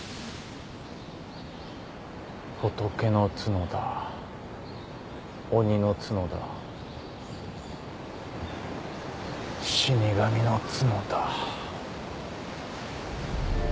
「仏の角田」「鬼の角田」「死に神の角田」。